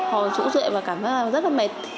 ho trũ rệ và cảm giác rất là mệt